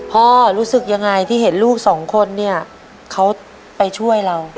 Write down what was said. รู้สึกยังไงที่เห็นลูกสองคนเนี่ยเขาไปช่วยเรา